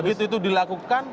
nah begitu itu dilakukan